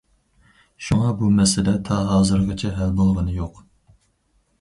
شۇڭا بۇ مەسىلە تا ھازىرغىچە ھەل بولغىنى يوق.